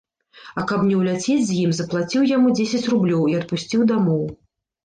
А каб не ўляцець з ім, заплаціў яму дзесяць рублёў і адпусціў дамоў.